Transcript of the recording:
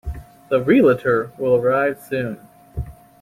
The Realtor will arrive soon.